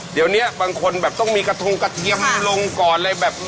เดี๋ยวนี้บางคนแบบต้องมีกระทงกระเทียมลงก่อนเลยแบบ